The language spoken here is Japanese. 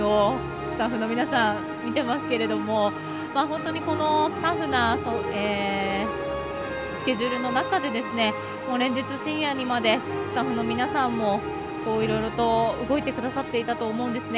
今もメダルセレモニーをスタッフの皆さん見ていますがこのタフなスケジュールの中で連日、深夜にまでスタッフの皆さんもいろいろと動いてくださっていたと思うんですね。